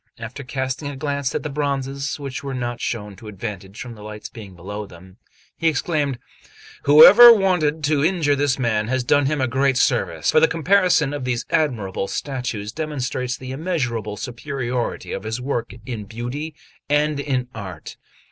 After casting a glance at the bronzes, which were not shown to advantage from the light being below them, he exclaimed: "Whoever wanted to injure this man has done him a great service; for the comparison of these admirable statues demonstrates the immeasurable superiority of his work in beauty and in art.